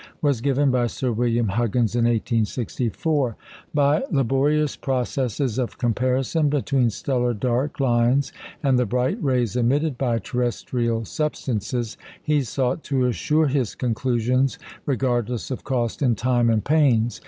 was given by Sir William Huggins in 1864. By laborious processes of comparison between stellar dark lines and the bright rays emitted by terrestrial substances, he sought to assure his conclusions, regardless of cost in time and pains.